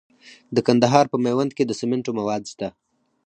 د کندهار په میوند کې د سمنټو مواد شته.